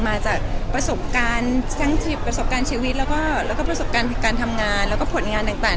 มาจากประสบการณ์ทั้งประสบการณ์ชีวิตแล้วก็ประสบการณ์การทำงานแล้วก็ผลงานต่าง